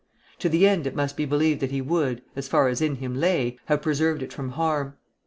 To the end it must be believed that he would, as far as in him lay, have preserved it from harm.